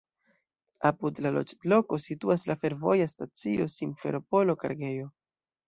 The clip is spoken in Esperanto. Apud la loĝloko situas la fervoja stacio "Simferopolo-kargejo".